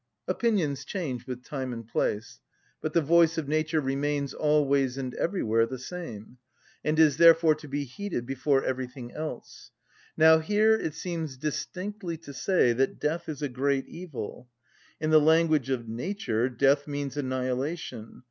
Opinions change with time and place; but the voice of nature remains always and everywhere the same, and is therefore to be heeded before everything else. Now here it seems distinctly to say that death is a great evil. In the language of nature death means annihilation.